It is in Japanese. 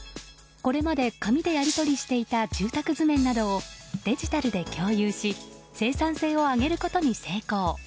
これまで紙でやり取りしていた住宅図面などをデジタルで共有し生産性を上げることに成功。